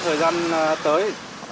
thời gian tới